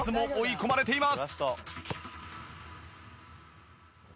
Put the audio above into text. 実は追い込まれています。